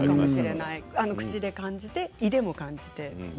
口で感じて胃でも感じて。